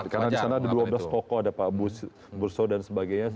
karena di sana ada dua belas tokoh ada pak bursu dan sebagainya